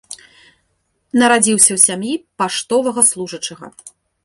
Нарадзіўся ў сям'і паштовага служачага.